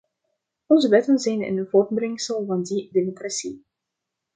Onze wetten zijn een voortbrengsel van die democratie.